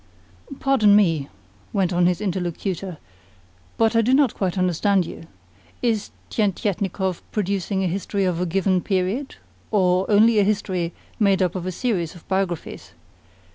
"Pardon me," went on his interlocutor, "but I do not quite understand you. Is Tientietnikov producing a history of a given period, or only a history made up of a series of biographies?